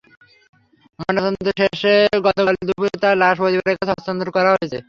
ময়নাতদন্ত শেষে গতকাল দুপুরে তাঁর লাশ পরিবারের কাছে হস্তান্তর করা হয়েছে।